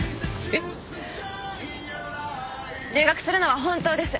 えっ？留学するのは本当です。